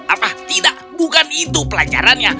apa tidak bukan itu pelajarannya